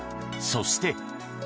そして。